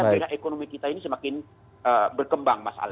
sehingga ekonomi kita ini semakin berkembang mas alex